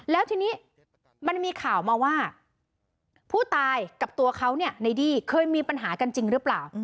แล้วทีนี้มันมีข่าวมาว่าผู้ตายกับตัวเขาเนี่ยในดี้เคยมีปัญหากันจริงหรือเปล่า